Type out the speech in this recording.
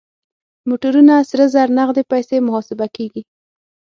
موټرونه سره زر نغدې پيسې محاسبه کېږي.